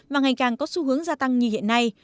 mà ngày càng có xu hướng gia tăng như hiện nay